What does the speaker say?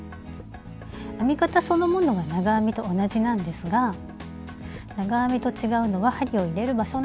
編み方そのものは長編みと同じなんですが長編みと違うのは針を入れる場所なんです。